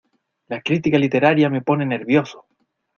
¡La crítica literaria me pone nervioso!